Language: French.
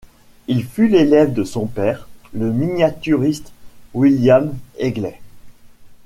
Il fut l'élève de son père, le miniaturiste William Egley.